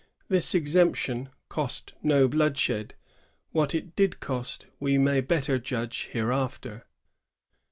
This exemption cost no bloodshed. What it did cost we may better judge hereafter.